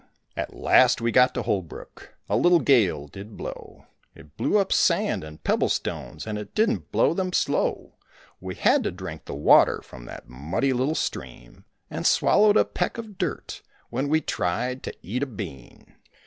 At last we got to Holbrook, a little gale did blow; It blew up sand and pebble stones and it didn't blow them slow. We had to drink the water from that muddy little stream And swallowed a peck of dirt when we tried to eat a bean.